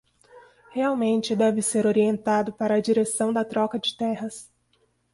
Realmente deve ser orientado para a direção da troca de terras